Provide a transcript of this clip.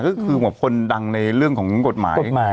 ก็คือแบบคนดังในเรื่องของกฎหมาย